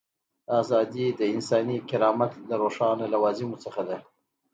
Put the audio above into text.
ازادي د انساني کرامت له روښانه لوازمو څخه ده.